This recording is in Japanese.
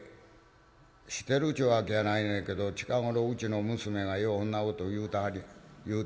知ってるっちゅうわけやないねんけど近頃うちの娘がようそんなこと言うてまんねん」。